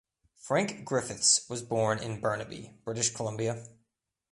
Frank Griffiths was born in Burnaby, British Columbia.